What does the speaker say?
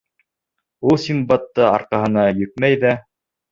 Ул Синдбадты арҡаһына йөкмәй ҙә: